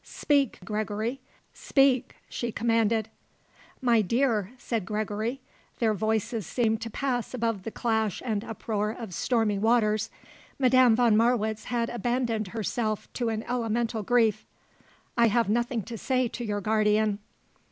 "Speak, Gregory! Speak!" she commanded. "My dear," said Gregory their voices seemed to pass above the clash and uproar of stormy waters, Madame von Marwitz had abandoned herself to an elemental grief "I have nothing to say to your guardian."